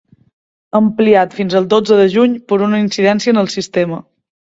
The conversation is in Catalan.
Ampliat fins al dotze de juny per una incidència en el sistema.